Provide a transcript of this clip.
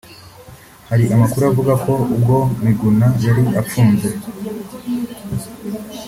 Hari amakuru avuga ko ubwo Miguna yari afunze